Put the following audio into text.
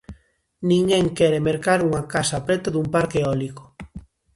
Ninguén quere mercar unha casa preto dun parque eólico.